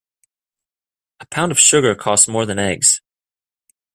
A pound of sugar costs more than eggs.